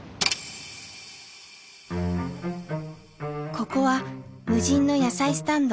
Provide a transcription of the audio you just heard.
ここは無人の野菜スタンド。